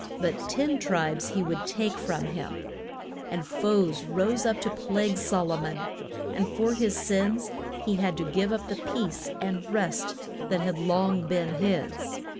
But ten tribes he would take from him. And foes rose up to plague Sol o mon, and for his sins he had to give up the peace and rest that had long been his.